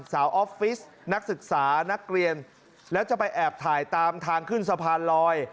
ออฟฟิศนักศึกษานักเรียนแล้วจะไปแอบถ่ายตามทางขึ้นสะพานลอย